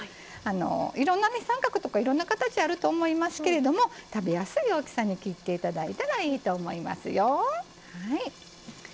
いろんな三角とかいろんな形あると思いますけど食べやすい大きさに切ってもらったらいいと思います。